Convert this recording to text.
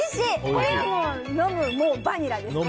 これは飲むＭＯＷバニラですね